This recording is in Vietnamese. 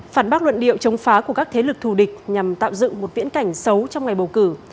phản bác luận điệu chống phá của các thế lực thù địch nhằm tạo dựng một viễn cảnh xấu trong ngày bầu cử